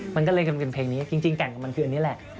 มันก็เลยกำลังเป็นเพลงนี้จริงจริงกันกันมันคืออันนี้แหละ